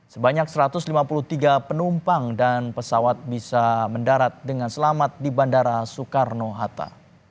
sebanyak satu ratus lima puluh tiga penumpang dan pesawat bisa mendarat dengan selamat di bandara soekarno hatta